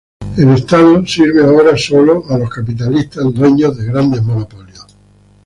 El estado sirve ahora solo a los capitalistas dueños de grandes monopolios.